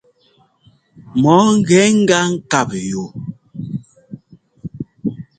Mɔ ńgɛ gá ŋ́kap yu.